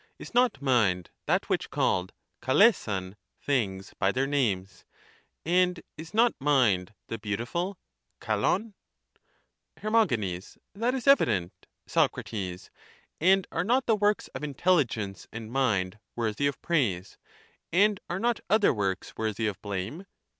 Is not mind that which called {KaXeaav) things by their names, and is not mind the beautiful (koAov) ? Her. That is evident. Soc. And are not the works of intelligence and mind worthy of praise, and are not other works worthy of blame?